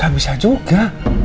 gak bisa juga